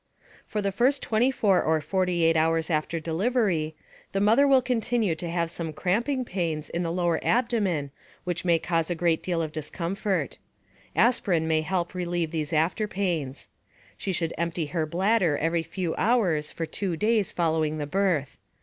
For the first 24 or 48 hours after delivery, the mother will continue to have some cramping pains in the lower abdomen which may cause a great deal of discomfort. Aspirin may help relieve these afterpains. She should empty her bladder every few hours for 2 days following the birth.